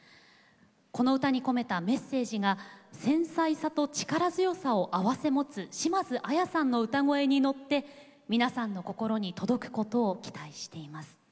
この歌に込めたメッセージが繊細さと力強さを併せ持つ島津亜矢さんの歌声に乗って皆さんの心に届くことを期待しています」と頂きました。